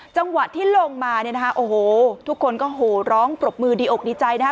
จังหวัดที่ลงมาทุกคนก็โหร้องปรบมือดีอกดีใจนะคะ